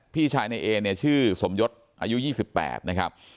พี่ชายในเอเนี่ยชื่อสมยศอายุ๒๘นะครับ